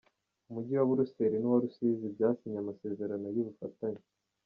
Umujyi wa Buluseri n’uwa Rusizi byasinye amasezerano y’ubufatanye